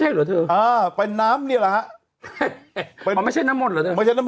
เขาน้ำมนต์จริงไม่ใช่หรอเถอะ